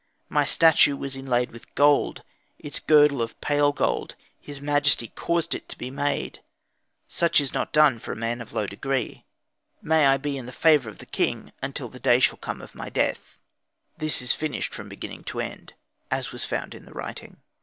My statue was inlayed with gold, its girdle of pale gold; his majesty caused it to be made. Such is not done to a man of low degree. May I be in the favour of the king until the day shall come of my death. _(This is finished from beginning to end, as was found in the writing.)